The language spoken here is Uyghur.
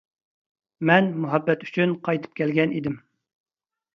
مەن مۇھەببەت ئۈچۈن قايتىپ كەلگەن ئىدىم.